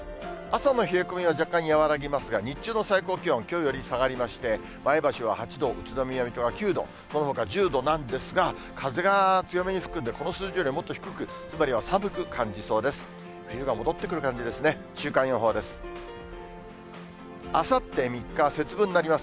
朝の冷え込みは若干和らぎますが、日中の最高気温、きょうより下がりまして、前橋は８度、宇都宮、水戸は９度、そのほか１０度なんですが、風が強めに吹くんで、この数字よりはもっと低く、つまりは寒く感じそうです。